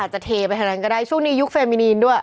เทไปทางนั้นก็ได้ช่วงนี้ยุคเฟมินีนด้วย